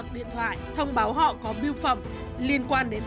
xin cảm ơn các bà liên hợp thế